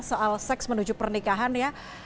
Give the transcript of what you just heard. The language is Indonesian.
soal seks menuju pernikahan ya